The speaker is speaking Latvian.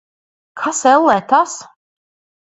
Kas, ellē, tas?